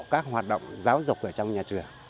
qua hoạt động giáo dục ở trong nhà trường